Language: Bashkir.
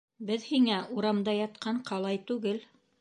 Беҙ һиңә урамда ятҡан ҡалай түгел.